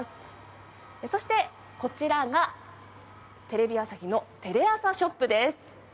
そしてこちらがテレビ朝日のテレアサショップです。